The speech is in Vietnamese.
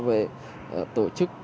về tổ chức